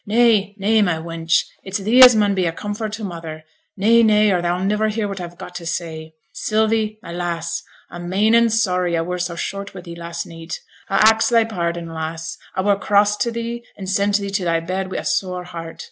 'Nay, nay, my wench, it's thee as mun be a comfort to mother: nay, nay, or thou'll niver hear what a've got to say. Sylvie, my lass, a'm main and sorry a were so short wi' thee last neet; a ax thy pardon, lass, a were cross to thee, and sent thee to thy bed wi' a sore heart.